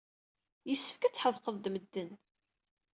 Yessefk ad tḥedqed d medden.